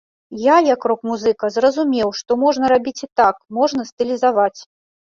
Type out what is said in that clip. Я, як рок-музыка, зразумеў, што можна рабіць і так, можна стылізаваць.